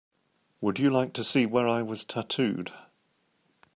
Would you like to see where I was tattooed?